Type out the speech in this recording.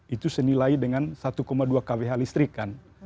itu senilai dengan satu dua kwh listrik kan